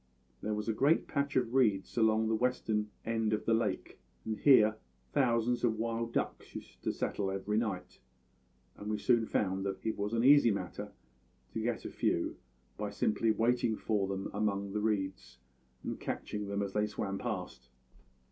There was a great patch of reeds along the western end of the lake, and here thousands of wild duck used to settle every night; and we soon found that it was an easy matter to get a few by simply waiting for them among the reeds and catching them as they swam past.